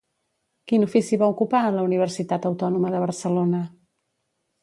Quin ofici va ocupar a la Universitat Autònoma de Barcelona?